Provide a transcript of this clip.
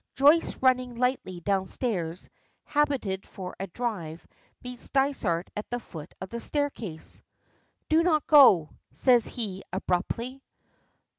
Joyce running lightly down stairs, habited for a drive, meets Dysart at the foot of the staircase. "Do not go," says he abruptly.